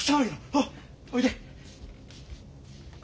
おっおいで。